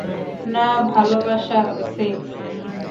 না, ভালবাসা - সেক্স।